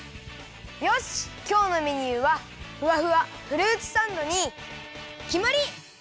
よしきょうのメニューはふわふわフルーツサンドにきまり！